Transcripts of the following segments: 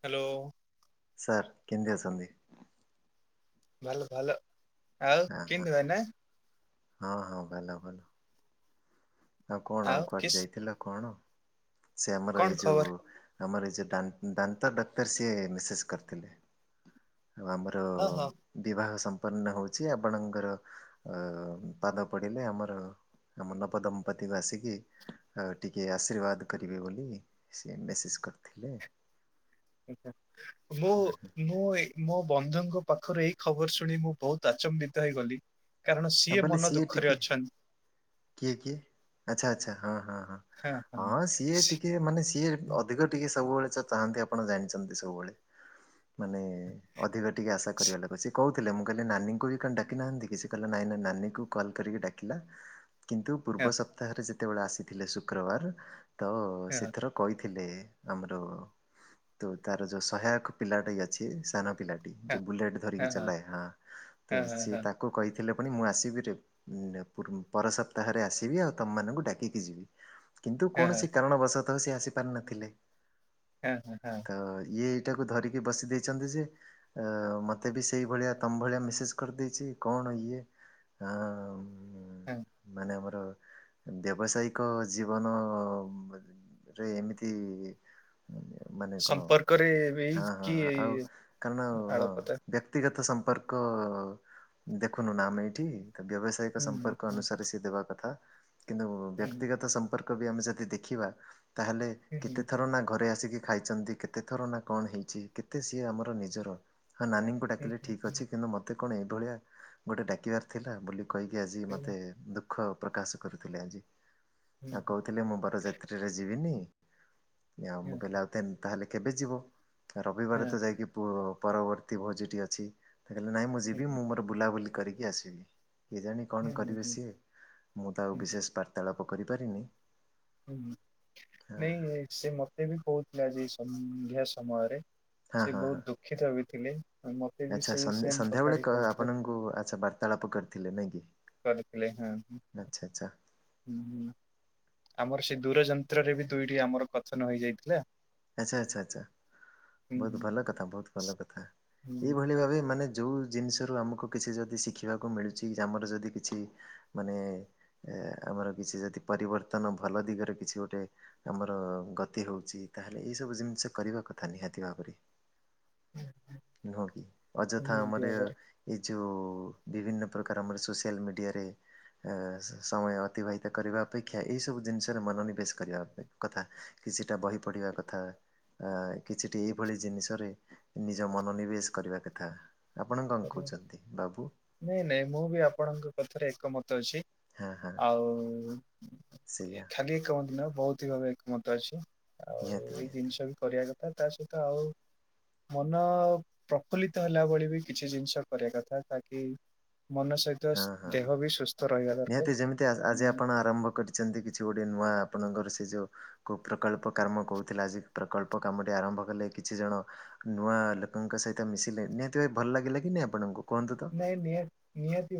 Hello. Sir କେନ୍ିତି ଅଛନ୍ତି? ଭଲ ଭଲ ଆଉ ହଁ ହଁ କିଣିିବ ନା ହଁ ହଁ ଭଲ ଭଲ ଆଉ କଣ ଆଉ କୁଆଡେ ଯାଇଥିଲ କଣ ସେ ଆମର ଏଇ କଣ ଖବର? ଯୋଉ। ଆମର ଏ ଯଉ ଦାନ୍ତ ଡାକ୍ତର ସିଏ ମେସେଜ କରିଥିଲେ। ଆଉ ଆମର ହଁ ହଁ ବିବାହ ସମ୍। ଉପନ ହଉଛି ଆପଣଙ୍କର ଅ ପାଦ ପଡିଲେ ଆମର ଆମ ନବଦମ୍। ପ୍ରତିିବାସି କି ଆଉ ଟିକେ ଆଶୀର୍ବାଦ କରିବେ ବୋଲି ସେ ମେସେଜ କରିଥିଲି ଆଉ ମୁଁ ମୁଁ। ମୋ ବନ୍ଧୁଙ୍କ ପାଖରୁ ଏଇ ଖବର ଶୁଣି ମୁଁ ବହୁତ ଆଚମ୍ବିତ ହେଇଗଲି। କାରଣ ଆଉ ସିଏ ବୋଲେ ମନ ଦୁଃଖରେ ଟିକେ କିଏ ଅଛନ୍ତି। କିଏ ଆଚ୍ଛା ଆଚ୍ଛା ହଁ ହଁ ହଁ ହଁ ସିଏ ସି ଟିକେ ମାନେ ସିଏ ଅଧିକ ଟିକେ ସବୁବେଳେ। ଚାହାନ୍ତି ଆପଣ ଜାଣିଛନ୍ତି ସବୁବେଳେ ମାନେ ଅଧିକ ଟିକେ ଆଶା ସି କରିବା ଲାଗ ଅଛି କହୁଉ ଥିଲେ ମୁଁ କହିଲି ନାନୀଙ୍କୁ ବି କଣ ଡାକି ନାହାନ୍ତି କିଛି କିଲ ନା ନାଇଁ ନାଇ ନାନୀ କଲ କରିକି ଡାକିଲା। କିନ୍ତୁ ହଁ ପୂର୍ବ ସପ୍ତାହରେ ଯେତେବେଳେ ଆସିଥିଲେ ଶୁକ୍ରବାର ତ ହଁ ସେଥର କହି ଥିଲେ ଆମର ତ ତାର ଯୋଉ ସହାୟକ ପିଲାଟା ଅଛି ସାନ ପିଲା ହଁ ବୁଲେଟ୍ ଧରିକି ଚଏ ହଁ ତ ହଁ ହଁ ସିଏ ହଁ ତାକୁ କହି ଥିଲେ ପୁଣି ମୁଁ ଆସିବି ପର ସପ୍ତାହରେ ଆସିବି ଆଉ ତମମାନଙ୍କୁ ଡାକିକି ଯିବି। କିନ୍ତୁ ହଁ ହଁ କୌଣସି କାରଣବଶତଃ ସେ ଆସିପାରିନଥିଲେ ହଁ ହଁ ହଁ ତ ଇଏ ାକୁ ଧରିକି ବସି ଦେଇଛନ୍ତି ଯେ ମତେ ବି ସେଇ ଭଳିଆ ତମ ଭଳି ମେସେଜ କରି ଦେଇଛି କଣ ଈ ଇଏ ହ ହଁ ମାନେ ଆମର। ବ୍ୟବସାୟିକ ଜୀବନ ରେ ଏମିତି ମାନେ କଣ ହବ ସମ୍ପର୍କରେ ବି ହଁ କି ହଁ ଆଉ କାରଣ ହଁ ଆଳପତା ବ୍ୟକ୍ତିଗତ ସମ୍ ସମ୍ପର୍କ ଦେଖୁନୁ ନା ଆମେ ଏଇଠି ତ ବ୍ୟବସାୟିକ ହୁଁ ସମ୍ପର୍କ ହୁଁ ଅନୁସାରେ ସିଏ ଦେବା କଥା କିନ୍ତୁ ହୁଁ ବ୍ୟକ୍ତିଗତ ସମ୍ପର୍କ ବି ଆମେ ଯଦି ଦେଖିବା ତାହେଲେ ହୁଁ କେତେ ହୁଁ ଥର ନା ଘରେ ଆସିକି? ଖାଇଛନ୍ତି କେତେ ଥର ନା କଣ ହେଇଛି କେତେ ସିଏ ଆମର ନିଜର ହଁ ନାନୀଙ୍କୁ ଡାକିଲେ ହୁଁ ଠିକ୍ ଅଛି କିନ୍ତୁ ମୋତେ କଣ ଏଇଭଳିଆ ଗୋଟେ ଡାକିବାର ଥିଲା ବୋଲି କହିକି ଆଜି ହୁଁ ହୁଁ ମତେ ଦୁଃଖ ପ୍ରକାଶ କରୁଥିଲେ ଆଜି। ହୁଁ ହୁଁ ଆଉ କହୁଥିଲି ମୁଁ ବାରଯାତ୍ରୀରେ ଯିବିନି। ଉ ହୁଁ ମୁଁ ହୁଁ କହିଲି ଆଉ ତାହେଲେ କେବେ ଯିବ ହୁଁ ରବିବାର ତ ଯାଇକି ପ ପରବର୍ତ୍ତୀ ଭୋଜିଟି ଅଛି ତା କହିଲେ ନାଇଁ ମୁଁ ହୁଁ ହୁଁ ଯିବି ମୁଁ ମୋର ବୁଲାବୁଲି କରିକି ଆସିବି। କିଏ ଜାଣି କଣ ହୁଁ କରିବେ ସିଏ ମୁଁ ତ ଆଉ ହୁଁ ହୁଁ ବିଶେଷ ବାର୍ତ୍ତାଳାପ କରିପାରିନି। ହୁଁ ହଁ ନାଇଁ ସେ ମତେ ବି କହୁଥିଲା ଆଜି ସନ୍ଧ୍ୟା ସମୟରେ। ହଁ ସେ ହଁ ହଁ। ବହୁତ ଦୁଃଖିତ ବି ଥିଲେ। ମତେ ବି ଆଚ୍ଛା ସେଇ ସେମ ସ-ସନ୍ଧ୍ୟା ବେଳେ କଥାଟି କ କହୁଥିଲେ ଆପଣଙ୍କୁ ଆଚ୍ଛା ବାର୍ତ୍ତାଳାପ କରିଥିଲେ ନାଇଁ କି? କରିଥିଲେ ହଁ ଆଚ୍ଛା ଆଚ୍ଛା ଆମର ଦୂର ଯନ୍ତ୍ରରେ ବି ଦୁଇଟି ଆମର ପଥନ ହେଇଯାଇଥିଲା। ଆଚ୍ଛା ଆଚ୍ଛା ଆଚ୍ଛା ହୁଁ ବହୁତ ହୁଁ ଭଲ କଥା ବହୁତ ଭଲ କଥା ହୁଁ ଏଇଭଳି ଭାବେ ମାନେ ଯଉ ଜିନିଷରୁ ଆମକୁ କିଛି ଯଦି ଶିଖିବାକୁ ମିଳୁଛି ଯା ଆମର ଯଦି କିଛି ମାନେ ଆମର କିଛି ଯଦି ପରିବର୍ତ୍ତନ ଭଲ ଦିଗରେ କିଛି ଗୋଟେ ଆମର ଗତି ହଉଛି। ତାହେଲେ ଏଇସବୁ ଜିନିଷ କରିବା କଥା ନିହାତି ଭାବରେ। ନୁହଁ କି ଅଯଥା ନିହାତି ଆମର ଭାବରେ ୟ ଏଇ ଯଉ ବିଭିନ୍ନ ପ୍ରକାର ଆମର ସୋସିଆଲ ମିଡିଆରେ ଆ ସମୟ ଅତିବାହିତ କରିବା ଅପେକ୍ଷା ଏଇ ସବୁ ଜିନିଷରେ ମନୋନିବେଶ କରିବା କଥା। କିଛିଟା ବହି ପଢିବା କଥା ଅ କିଛିଟି ଏଇଭଳି ଜିନିଷରେ ନିଜ ମନୋନିବେଶ କରିବା କଥା। ଆପଣ କଣ କହୁଛନ୍ତି ବାବୁ ନାଇଁ ନାଇଁ ମୁଁ ବି ଆପଣଙ୍କ କଥାରେ ଏକମତ ଅଛି। ହଁ ହଁ ଆଉ ସେଇଆ ଖାଲି ଏକମତ ନୁହ ବହୁତ ହି ଭାବେ ଏକମତ ଅଛି। ଆଉ ନିହାତି ଏଇ ନିହାତି ଜିନିଷ ବି କରିବା କ ତା ସହିତ ଆଉ ମନ ପ୍ରଫୁଲ୍ଲିତ ହେଲା ଭଳି ବି କିଛି ଜିନିଷ କରିବା କଥା ତାକି ମନ ସହିତ ହଁ ହଁ ଦେହ ବି ସୁସ୍ଥ ରହିବା ହଁ ଦରକାର। ନିହାତି ଯେମିତି ଆ-ଆଜି ହୁଁ, ଆପଣ ଆରମ୍ଭ କରିଛନ୍ତି କିଛି ଗୋଟେ ନୂଆ ଆପଣଙ୍କର ସେ ଯୋଉ କୋ ପ୍ରକଳ୍ପ କାମ କହୁଥିଲା ଆଜି ପ୍ରକଳ୍ପ କାମଟି ଆରମ୍ଭ କଲେ କିଛି ଜଣ ନୂଆ ଲୋକଙ୍କ ସହିତ ମିଶିଲେ ନିହାତି ଭାଇ ଭଲ ଲାଗିଲା କି ନାଇଁ ଆପଣଙ୍କୁ? କୁହନ୍ତୁ ତ? ନାଇଁ ନିହାତି ନିହାତି ଭା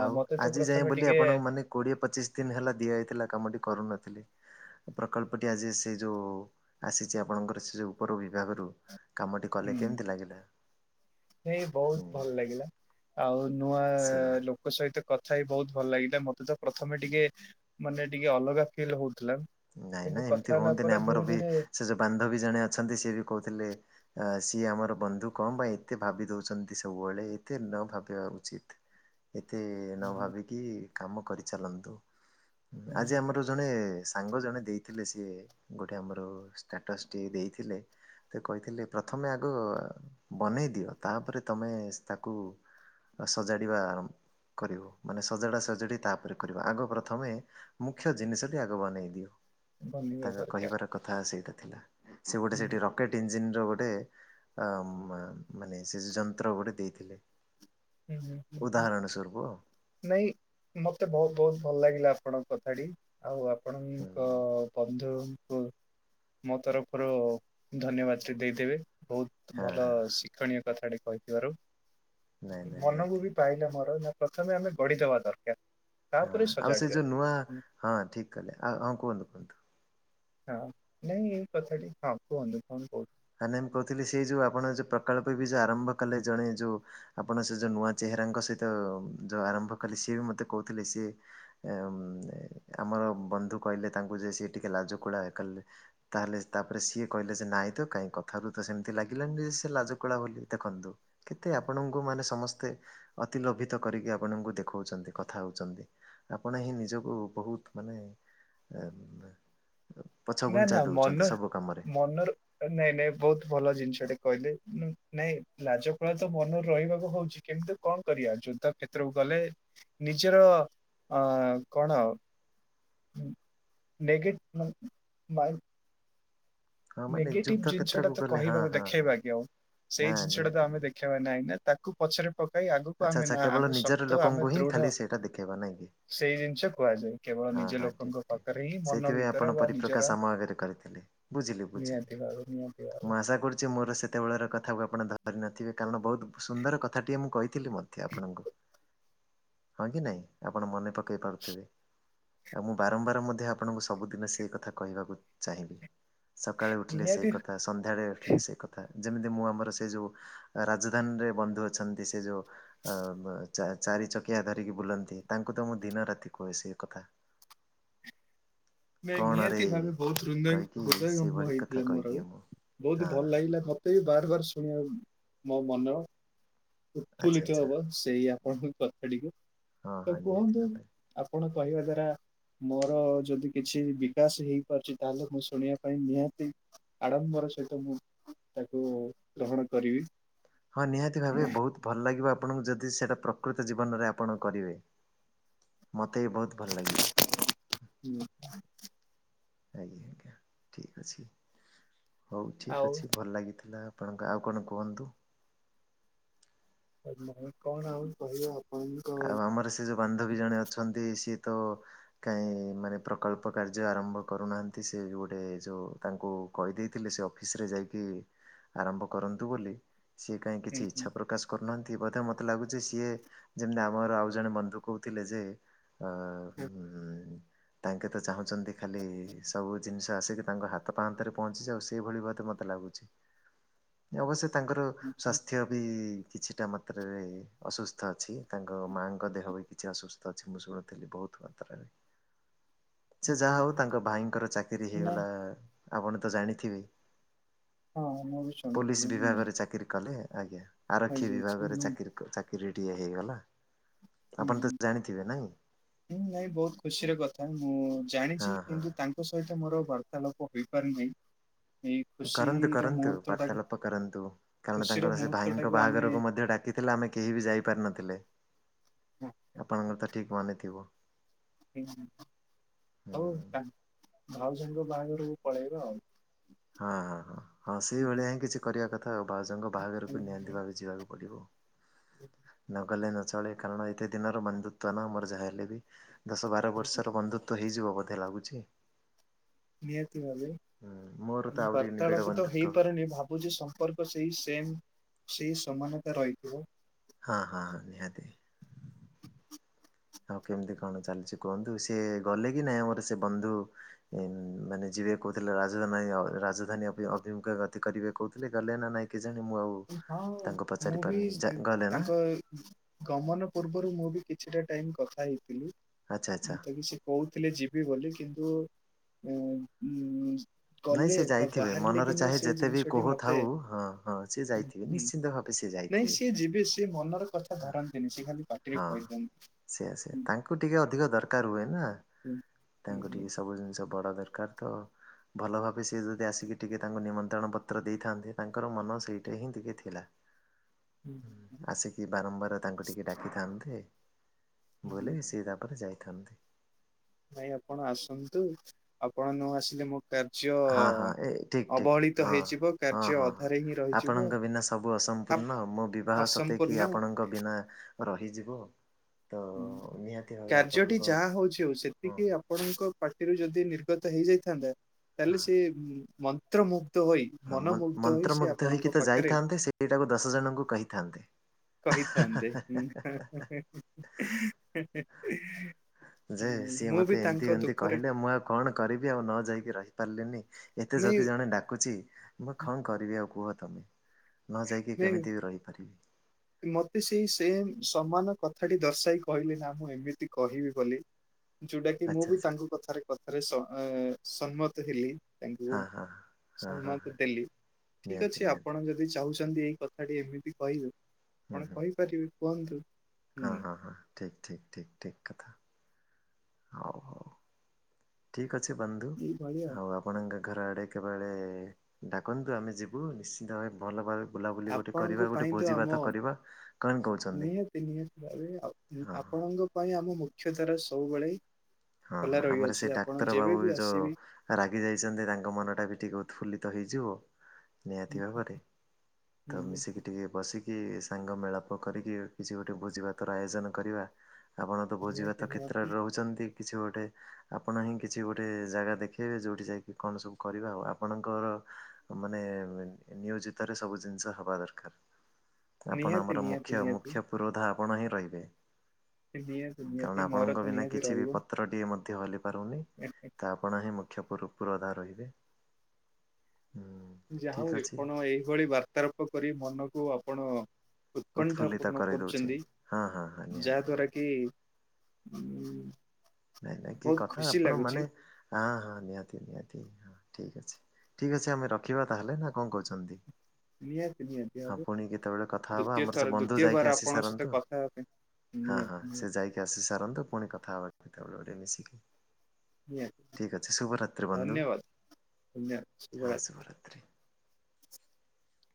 ଆଉ ଆଜି ଯାଏ ବୋଲି ଆପଣଙ୍କୁ ମାନେ କୋଡିଏ ପଚିଶ ଦିନ ହେଲା ଦିଆଯାଇଥିଲା କାମଟି କରୁନଥିଲି ପ୍ରକଳ୍ପଟି ଆଜି ସେ ଯେଉ ଆସିଛି ଆପଣଙ୍କର ସେ ଯେଉଁ ଉପର ବିଭାଗରୁ କାମଟି କଲେ ହୁଁ କେମିତି ଲାଗିଲା ସେଇ ହୁଁ ବହୁତ ଭଲ ଲାଗିଲା ଆଉ ନୂଆ ସେଇଆ। ଲୋକ ସହିତ ମତେ କଥା ହେଇ ବହୁତ ଭଲ ଲାଗିଲ ମତେ ତ ପ୍ରଥମେ ଟିକେ ମାନେ ଟିକେ ଅଲଗା ଫିଲ୍ ହଉ ନାଇଁ ନାଇଁ ଏମିତି ହୁଅନ୍ତିନି ଆମର ବି ଧୀରେ ସେ ଯୋଉ ବାନ୍ଧବୀ ଜଣେ ଅଛନ୍ତି ସିଏ ବି କହୁଥିଲେ ଆ ସିଏ ଆମର ବନ୍ଧୁ କଣ ପାଇଁ ଏତେ ଭାବି ଦଉଛନ୍ତି ସବୁବେଳେ ଏତେ ନ ଭାବିବା ଉଚିତ। ଏତେ ନ ଭାବିକି କାମ କରିଚାଲନ୍ତୁ ଆଜି ଆମର ଜଣେ ସାଙ୍ଗ ଜଣେ ଦେଇଥିଲେ ସିଏ ଗୋଟେ ଆମର ଷ୍ଟାଟସ୍ ଟିଏ ଦେଇଥିଲେ। ତ କହିଥିଲେ ପ୍ରଥମେ ଆଗ ବନେଇ ଦିଅ ତାପରେ ତମେ ତାକୁ ଆ ସଜାଡିବା ଆ କରିବ ମାନେ ସଜଡା ସଜଡି ତାପରେ କରିବ। ଆଗ ପ୍ରଥମେ ମୁଖ୍ୟ ଜିନିଷଟି ଆଗ ବନେଇ ବନିବା ତାଙ୍କ ଦରକାର କହିବାର କଥା ସେଇଟା ଥିଲା ସେ ଗୋଟେ ହୁଁ, ସେଠି ରକେଟ୍ ଇଞିନ୍ ଗୋଟେ ଅ ମାନେ ସେ ଯନ୍ତ୍ର ଗୋଟେ ଦେଇଥିଲେ। ହୁଁ ହୁଁ ହୁଁ ଉଦାହରଣ ସ୍ୱରୂପ ହୁଁ ହଁ ନାଇଁ ମତେ ବହୁତ ବହୁତ ଭଲ ଲାଗିଲା। ଆପଣଙ୍କ କଥାଟି ଆଉ ଆପଣଙ୍କ କଥ୍ ବନ୍ଧୁଙ୍କୁ ମୋ ତରଫରୁ ଧନ୍ୟବାଦ ଦେଇଦେବେ। ବହୁତ ହଁ ଭଲ ହଁ ଶିକ୍ଷଣୀୟ କଥାଟେ କହିଥିବାରୁ। ନାଇଁ ନାଇଁ ମନକୁ ନିହାତି ବି ପାଇଲା ମୋର ନା ପ୍ରଥମେ ଆମେ ଗଢିଦବା ଦରକାର। ହଁ ତାପରେ ଆଉ ସେ ସଜାଡିବା। ଯୋଉ ନୂଆ ହଁ ଠିକ କଲେ ହଁ ଆଉ ହଁ କୁହନ୍ତୁ। ହଁ ନାଇଁ ଏଇ କଥାଟି ହଁ କୁହନ୍ତୁ କଣ କହୁଛ? ହ ନାଇ ମୁଁ କହୁଥିଲି ସେଇ ଯୋଉ ଆପଣ ଯୋଉ ପ୍ରକଳ୍ପ ବି ଯୋଉ ଆରମ୍ଭ କଲେ ଜଣେ ଯୋଉ ଆପଣ ସେ ଯୋଉ ନୂଆ ଚେହେ ହେରାଙ୍କ ସହିତ ଯଉ ଆରମ୍ଭ କଲି ସିଏ ବି ମତେ କହୁଥିଲେ ସିଏ ଉଁ ଆମର ବନ୍ଧୁ କହିଲେ ତାଙ୍କୁ ଯେ ସେ ଟିକେ ଲାଜକୁଳା କଲେ ତାହେଲେ ତାପରେ ସିଏ କହିଲେ ଯେ ନାଇଁ ତ କାହିଁ କଥାରୁ ତ ସେମିତି ଲାଗିଲାନି ଯେ ସେ ଲାଜକୋଳା ବୋଲି ଦେଖନ୍ତୁ କେତେ ଆପଣଙ୍କୁ ମାନେ ସମସ୍ତେ ଅତି ଲୋଭିତ କରିକି ଆପଣଙ୍କୁ ଦେଖଉଛନ୍ତି କଥା ହଉଛନ୍ତି ଆପଣ ହିଁ ନିଜକୁ ବହୁତ ମାନେ ନା ପଛଘୁଞ୍ଚା ନା ମନ ଦଉଛନ୍ତି ସବୁ କାମରେ ମନର ନାଇଁ ନାଇଁ ବହୁତ ଭଲ ଜିନିଷ ଟେ କହିଲେ ନାଇଁ ଲାଜକୁଳା ତ ମନରୁ ରହିବାକୁ ହଉଛି କିନ୍ତୁ କଣ କରି ବା ଯୁଦ୍ଧ କ୍ଷେତ୍ରକୁ ଗଲେ ନିଜର ଅ କଣ ଆଉ ନେଇକି [unintelligible] ହଁ ମାନେ ନେଗେଟିଭ ନିଯୁକ୍ତ ଜିନିଷ ଟା କ୍ଷେତ୍ରକୁ ତ ଗଲେ ହଁ କହିବାକୁ ହଁ ହଁ ଦେଖେଇବା କି ଆଉ। ସେଇ ହଁ ଜିନିଷଟା ତ ନିହାତି ଆମେ ନିହାତି। ଦେଖେଇବା ନାହିଁ ନା ତାକୁ ପଛରେ ପକାଇ ଆଗକୁ ଆଚ୍ଛା ଆମେ ଆଚ୍ଛା ନା କେବଳ ଆମେ ନିଜର ଶକ୍ତ ଆମେ ଲୋକଙ୍କୁ ହିଁ ଦୃଢ ଖାଲି ସେଇଟା ଦେଖେଇବା ନାଇଁ କି ସେଇ ଜିନିଷ କୁହାଯାଏ। କେବଳ ହଁ ନିଜ ହଁ ଠିକ୍ ଲୋକଙ୍କ ଠିକ୍। ପାଖରେ ହିଁ ମନ ସେଇଥିପାଇଁ ଆପଣ ଭିତରେ ବା ପରିପ୍ରକାଶ ନିଜର ଆମ ଆଗରେ କରିଥିଲେ ବୁଝିଲି ନିହାତି ଭାବେ ନିହାତି ଭାବେ ମୁଁ ଆଶା କରୁଚି ମୋର ସେତେବେଳର କଥାକୁ ଆପଣ ଧ ଧରି ନଥିବେ କାରଣ ବହୁତ ସୁନ୍ଦର କଥାଟିଏ ମୁଁ କହିଥିଲି ମଧ୍ୟ ଆପଣଙ୍କୁ। ହଁ କି ନାଇଁ ଆପଣ ମନେ ପ କେଇପାରୁଥିବେ ଆଉ ମୁଁ ବାରମ୍ବାର ମଧ୍ୟ ଆପଣଙ୍କୁ ସବୁଦିନ ସେଇ କଥା କହିବାକୁ ଚାହିଁବି। ସକାଳେ ଉଠିଲେ ସେଇ ନିହାତି କଥା ସନ୍ଧ୍ୟାବେଳେ ଉଠିଲେ ସେଇ କଥା। ଯେମିତି ମୁଁ ଆମର ସେଇ ଯୋଉ ରାଜଧାନୀରେ ବନ୍ଧୁ ଅଛନ୍ତି ସେ ଯୋଉ ଅ ଚା-ଚାରି ଚକିଆ ଧରିକି ବୁଲନ୍ତି ତାଙ୍କୁ ତ ମୁଁ ଦିନ ରାତି କୁହେ ସେଇ କଥା। କଣ ରେ ନିହାତି ଭାବେ ବହୁତ [unintelligible] ହୃଦୟ କହିକି ଭଙ୍ଗ ସେଇଭଳି କଥା ହେଇଥିଲା ମୋର ଆଉ। କହିଦିଏ ମୁଁ ବହୁତ ହଁ ଭଲ ଲାଗିଲା ମତେ ବି ବାର ବାର ଶୁଣିବା ମୋ ମନ ଆଚ୍ଛା ଉତଫୁଲ୍ଲିତ ଆଚ୍ଛା ହବ ସେଇ ଆପଣଙ୍କ କଥାଟିକୁ ହଁ ତ ହଁ ନିହାତି କୁହନ୍ତୁ ଭାବରେ। ଆପଣ କହିବା ଦ୍ଵାରା ମୋର ଯଦି କିଛି ବିକାଶ ହେଇପାରୁଚି ତାହେଲେ ମୁଁ ଶୁଣିବା ପାଇଁ ନିହାତି ଆଡ଼ମ୍ବର ସହିତ ମୁଁ ତାକୁ ଗ୍ରହଣ କରିବି। ହଁ ନିହାତି ଭାବେ ବହୁତ ଭଲ ଲାଗିବ। ଆପଣଙ୍କୁ ଯଦି ସେଟା ପ୍ରକୃତ ଜୀବନରେ ଆପଣ କରିବେ। ମ ତେ ବହୁତ ଭଲ ଲାଗିବ। ଆଜ୍ଞା ଆଜ୍ଞା ଠିକ ଅଛି ହଉ ଠିକ ଆଉ ଅଛି ଭଲ ଲାଗିଥିଲା। ଆପଣଙ୍କ ଆଉ କଣ କୁହନ୍ତୁ? ନାଇଁ କଣ ଆଉ କହିବା? ଆପଣଙ୍କ ଆଉ ଆମର ସେ ଯୋଉ ବାନ୍ଧବୀ ଜଣେ ଅଛନ୍ତି ସିଏ ତ କାଇଁ ମାନେ ପ୍ରକଳ୍ପ କାର୍ଯ୍ୟ ଆରମ୍ଭ କରୁନାହାନ୍ତି ସେ ଗୋଟେ ଯଉ ତାଙ୍କୁ କହିଦେଇଥିଲେ ସେ ଅଫିସ ରେ ଯାଇକି ଆରମ୍ଭ କରନ୍ତୁ ବୋଲି। ସିଏ କାହିଁ ହୁଁ କିଛି ହୁଁ ଇଚ୍ଛା ପ୍ରକାଶ କରୁନାହାନ୍ତି ବୋଧେ ମତେ ଲାଗୁଚି ସିଏ ଯେମିତି ଆମର ଆଉ ଜଣେ ବନ୍ଧୁ କହୁଥିଲେ ଯେ ତାଙ୍କେ ତ ଚାହୁଁଚନ୍ତି ଖାଲି ସବୁ ଜିନିଷ ଆସିକି ତାଙ୍କ ହାତ ପାହାନ୍ତରେ ପହଞ୍ଚି ଯାଉ ସେଇଭଳି ବୋଧେ ମ ମତେ ଲାଗୁଚି ଅବଶ୍ୟ ତାଙ୍କର ସ୍ୱାସ୍ଥ୍ୟ ବି କିଛିଟା ମାତ୍ରାରେ ଅସୁସ୍ଥ ଅଛି। ତାଙ୍କ ମାଆଙ୍କ ଦେହ ବି କିଛି ଅସୁସ୍ଥ ଅଛି ମୁଁ ଶୁଣୁଥିଲି ବହୁତ ମାତ୍ରାରେ। ସେ ଯାହା ହଉ ତାଙ୍କ ଭାଇଙ୍କର ଚାକିରି ନାଇଁ ହେଇଗଲା ଆପଣ ତ ଜାଣିଥିବେ। ହଁ ମୁଁ ବି ଶୁଣିଥିଲି ପୋଲିସ ହୁଁ ବିଭାଗରେ ଚାକିରି କଲେ। ଆଜ୍ଞା ଆରକ୍ଷୀ ହେଇଯାଇଛି ହୁଁ ବିଭାଗରେ ଚାକିରି ଚାକିରିଟିଏ ହେଇଗଲା। ହୁଁ ଆପଣ ତ ଜାଣିଥିବେ ନାଇଁ? ହୁଁ ନାଇଁ ବହୁତ ଖୁସିର କଥା ମୁଁ ହଁ ଜାଣିଛି ହଁ କିନ୍ତୁ ତାଙ୍କ ସହିତ ମୋର ବାର୍ତ୍ତାଳପ ହୋଇପାରି ନାହିଁ। କରନ୍ତୁ କରନ୍ତୁ ବାର୍ତ୍ତାଳାପ କରନ୍ତୁ କାରଣ ଖୁସିର ତାଙ୍କର ସେ ମୁହୂର୍ତ୍ତ ଭାଇଙ୍କ ଟାକୁ ଆମେ ବାହାଘରକୁ ମଧ୍ୟ ଡାକିଥିଲା। ଆମେ କେହି ବି ଯାଇପାରିନଥିଲେ ଆପଣଙ୍କର ତ ଠିକ ମନେ ଥିବ। ହୁଁ ହଉ ହୁଁ। କା ଭାଉଜ ଙ୍କ ବାହାଘରକୁ ପଳେଇବା ଆଉ। ହଁ ହଁ ହଁ ହଁ ସେଇଭଳିଆ ହିଁ କିଛି କରିବା କଥା ଆଉ ଭାଉଜଙ୍କ ବାହାଘରକୁ ନିହାତି ଭାବେ ଯିବାକୁ ପଡିବ। ନଗଲେ ନ ଚଳେ କାରଣ ଏତେ ଦିନର ବନ୍ଧୁତ୍ୱ ନା ମୋର ଯାହା ହେଲେ ବି ଦଶ ବାର ବର୍ଷର ବନ୍ଧୁତ୍ୱ। ହେଇଯିବ ବୋଧେ ଲାଗୁଛି। ନିହାତି ଭାବେ। ହୁଁ ମୋର ତ ଆଉ ଆହୁରି ନିବିଡ଼ ବାର୍ତାଳପ ତ ବନ୍ଧୁତ୍ୱ ହେଇପାରୁନି ଭାବୁଛି ସମ୍ପର୍କ ସେଇ ସେମ ସେଇ ସମାନତା ରହିଥିବ। ହଁ ହଁ ହଁ ନିହାତି। ଆଉ କେମିତି କଣ ଚାଲିଛି କୁହନ୍ତୁ, ସେ ଗଲେ କି ନାଇଁ ଆମର ସେ ବନ୍ଧୁ ମ-ମାନେ ଜି କହୁଥିଲେ ରାଜଧ ରାଜଧାନୀ ଅଭି-ଅଭିମୁଖେ ଗତି କରିବେ କହୁଥିଲେ ଗଲେ ନା ନାଇଁ କି ହଁ ମୁଁ ବି ଯା ଗଲେ ନା ତାଙ୍କ ଗମନ ପୂର୍ବ ମୁଁ ବି କିଛିଟା ଟାଇମ କଥା ହେଇଥିଲି। ଆଚ୍ଛା ଆଚ୍ଛା ମୁଁ ତ ବି ସେ କହୁଥିଲେ ଯିବି ବୋଲି କିନ୍ତୁ-ଉ-ଉ ନାଇଁ ଗଲେ ସେ ବା ଯାଇଥିବେ ବାହାରିଲେ ମନର କି ଚାହେ ନାହିଁ ସେଇ ଯେତେ ବି ଜିନିଷଟି କୋହ ମତେ ଥାଉ ହଁ ହଁ ସିଏ ଯାଇଥିବେ ହୁଁ ନିଶ୍ଚିନ୍ତ ଭାବେ ସିଏ ନାଇଁ ଯାଇଥିବେ। ସିଏ ଯିବେ, ସିଏ ମନର କଥା ଧରନ୍ତିନି, ସିଏ ଖାଲି ପାଟିରେ କହିଦଅନ୍ତି। ସେୟା ସେୟା ତାଙ୍କୁ ଟିକେ ଅଧିକ ଦରକାର ହୁଏ ନା, ହୁଁ ତାଙ୍କୁ ହୁଁ ଟିକେ ସବୁ ଜିନିଷ ବଡ ଦର ଦରକାର ତ ଭଲ ଭାବେ ସିଏ ଯଦି ଆସିକି ଟିକେ ତାଙ୍କୁ ନିମନ୍ତ୍ରଣ ପତ୍ର ଦେଇଥାନ୍ତେ, ତାଙ୍କର ମନ ସେଇଟା ହିଁ ଟିକେ ଥିଲା। ଉହୁଁ। ଆସିକି ବାରମ୍ବାର ତାଙ୍କୁ ଟିକେ ଡାକିଥାନ୍ତେ, ହୁଁ ବୋଇଲେ ସେ ତାପରେ ଯାଇଥାନ୍ତେ। ଭାଇ ଆପଣ ଆସନ୍ତୁ ଆପଣ ନ ଆସିଲେ ମୁଁ କାର୍ଯ୍ୟ ହଁ ହଁ ଏ ଠିକ୍ ଠିକ୍ ଅବହେଳିତ ହଁ ହେଇଯିବ, ହଁ କାର୍ଯ୍ୟ ଅଧାରେ ହିଁ ରହିଯିବ। ଆପ୍ ସମ୍ପୂର୍ଣ୍ଣ ମୋ ବିବାହ ସତେକି ଅସମ୍ପୂର୍ଣ୍ଣ ଆପଣଙ୍କ ବିନା ରହିଯିବ। ତ ନିହାତି ଭାବେ କାର୍ଯ୍ୟଟି ଆପଣଙ୍କ ଯାହା ହଉଛି ହଉ ହଁ ସେତିକି ଆପଣଙ୍କ ପାଟିରୁ ଯଦି ନି ତ ହେଇଯାଇଥାନ୍ତା ତାହେଲେ ହଁ। ସେ ମନ୍ତ୍ର ମୁ କ୍ତ ହୋଇ ହଁ ମନ୍ ମନମୁଗ୍ଧ ହୋଇ ସେ ମନ୍ତ୍ରମୁଗ୍ଧ ହେଇକି ଆପଣଙ୍କ ତ ପାଖରେ ଯାଇଥାନ୍ତେ ସେଇଟାକୁ ଦଶ ଜଣଙ୍କୁ କହିଥାନ୍ତେ। କହିଥାନ୍ତେ ହା ହା ହା ହା ହେ ହେ। ଯେ ସିଏ ମତେ ଏମିତି ଏମିତି କହିଲେ ମୁଁ ଆଉ କଣ କରିବି ଆଉ ନ ଯାଇକି ରହିପାରିଲିନି। ଏତେ ନାଇଁ ଯଦି ଜଣେ ଡାକୁଛି ମୁଁ କଣ କରିବି ଆଉ କୁହ ତମେ? ନ ଯାଇକି ନାଇଁ କେମିତି ବି ରହିପାରିବି? ମତେ ସେଇ ସେମ ସମାନ କଥାଟି ଦର୍ଶାଇ କହିଲେ ନା ମୁଁ ଏମିତି କହିବି ବୋଲି। ଯୋଉଟା କି ମୁଁ ଆଚ୍ଛା ବି ଆଚ୍ଛା ତାଙ୍କ କଥାରେ କଥାରେ ସମ-ସମ୍ମତ ହେଲି। ତାଙ୍କୁ ହଁ ହଁ। ହଁ ହଁ ସମ୍ମତି ହଁ ଦେଲି, ଠିକ ନିହାତି ଅଛି ନିହାତି ଆପଣ ଯଦି ଚାହୁଁଛନ୍ତି ଏଇ କଥାଟି ଏମିତି କହିଲୁ ହୁଁ କଣ ହୁଁ କହିପାରିବି କୁହନ୍ତୁ? ହଁ ହୁଁ ହଁ ହଁ ଠିକ ଠିକ ଠିକ ଠିକ କଥା। ହଉ ହଉ ଠିକ ଅଛି ବନ୍ଧୁ ଏଇଭଳିଆ ଆଉ ଆପଣଙ୍କ ଘର ଆଡ଼େ କେବେଳେ ଡାକନ୍ତୁ ଆମେ ଯିବୁ, ନିଶ୍ଚିନ୍ତ ଭାବେ ଭଲ ଭାବ ବୁଲାବୁଲି ଗୋଟେ କରିବା, ଆପଣଙ୍କ ଗୋଟେ ପାଇଁ ତ ଭୋଜି ଆମ ଭାତ କରିବା, କଣ କହୁଛନ୍ତି? ନିହାତି ନିହାତି ଭାବେ ଆଉ ଆପଣଙ୍କ ପାଇଁ ଆମେ ମୁଖ୍ୟତର ସବୁବେଳେ ହଁ ଖୋଲା ହଁ ଆମର ସେ ରହିଅଛି ଆପଣ ଡାକ୍ତର ଯେବେ ବାବୁ ବି ଯୋଉ ଆସିବେ ରାଗି ଯାଇଛନ୍ତି ତାଙ୍କ ମନଟା ବି ଟିକେ ଉ ଫୁଲିତ ହେଇଯିବ ନିହାତି ଭାବରେ, ତ ମିଶିକି ଟିକେ ବସି କି ସାଙ୍ଗ ମେଳାପ କରିକି କିଛି ଗୋଟେ ଭୋଜି ଭାତର ଆୟୋଜନ କରିବା। ଆପଣ ତ ନିହାତି ଭୋଜିଭାତ କ୍ଷେତ୍ରରେ ନିହାତି ରହୁଛନ୍ତି। କିଛି ଗୋଟେ ଆପଣ ହିଁ କିଛି ଗୋଟେ ଜାଗା ଦେଖେଇବେ ଯୋଉଠି ଯାଇକି କଣ ସବୁ କରିବା ଆଉ, ଆପଣଙ୍କ ମାନେ ନିୟୋଜିତରେ ସବୁ ଜିନିଷ ହବା ଦରକାର। ଆପଣ ନିହାତି ଆମର ନିହାତି ମୁଖ୍ୟ ନିହାତି ମୁଖ୍ୟ ପୁରୋଧ ଆପଣ ହିଁ ରହିବେ। ନିହାତି କାରଣ ନିହାତି ମୋର ଆପଣଙ୍କ ତ ବିନା ନିହାତି କିଛି ବି ପ ରହିବ। ମଧ୍ୟ ହଲି ପାରୁନି ତ ଆପଣ ହିଁ ମୁ୍ଖ୍ୟ ପୁରୋ-ପୁରୋଧା ରହିବେ। ହୁଁ ଯା ଠିକ୍ ହଉ ଅଛି ଆପଣ ଏଇଭଳି ବାର୍ତ୍ତାରାପ କରି ମନକୁ ଆପଣ ଉତ୍କଣ୍ଠା ଉତ୍ଫୁଲ୍ଲିତ ପୂର୍ଣ୍ଣ କରିଦଉଛି କରୁଛନ୍ତି, ହଁ ହଁ ହଁ ନିହାତି ଯାହା ଭାବେ। ଦ୍ଵାରା କି ହୁଁ। ନାଇଁ ନାଇଁ କି କଥା ଆପଣ ମାନେ ହାଁ ହାଁ ନିହାତି ନିହାତି ହଁ ଠିକ ଅଛି। ଠିକ ଅଛି ଆମେ ରଖିବା ତାହେଲେ, ନା କଣ କହୁଛନ୍ତି? ନିହାତି ନିହାତି ହଁ ଭାବେ ପୁଣି କେତେବେଳେ କଥା ହବା, ଦ୍ଵିତୀୟ ଆମର ଥର ସେ ବନ୍ଧୁ ଦ୍ଵିତୀୟ ବାର ଯାଇକି ଆସି ଆପଣଙ୍କ ସହିତ ସାରନ୍ତୁ। କଥା ହେବା ପାଇଁ ହଁ, ହଁ ନିହାତି ସେ ଯାଇକି ଆସି ସାରନ୍ତୁ ପୁଣି କଥା ହେବା କେତେବେଳେ ଗୋଟେ ମିଶିକି। ନିହାତି ଠିକ ଅଛି ଶୁଭରାତ୍ରି ବନ୍ଧୁ। ଧନ୍ୟବାଦ ହଁ ଶୁଭରାତ୍ରି। [unintelligible]